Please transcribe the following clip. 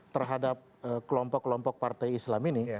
terhadap kelompok kelompok partai islam ini